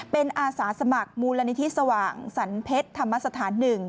เป็นอาสาสมัครมูลนิธิสว่างสรรเพชรธรรมสถาน๑